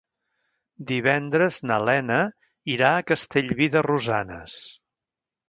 Divendres na Lena irà a Castellví de Rosanes.